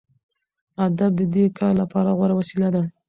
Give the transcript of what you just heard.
ادب د دې کار لپاره غوره وسیله ده.